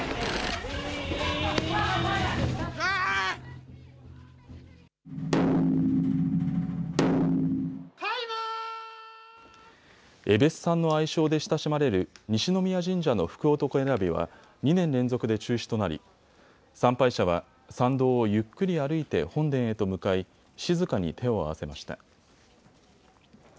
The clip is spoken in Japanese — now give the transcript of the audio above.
えべっさんの愛称で親しまれる西宮神社の福男選びは２年連続で中止となり参拝者は参道をゆっくり歩いて本殿へと向かい静かに手を合わせました。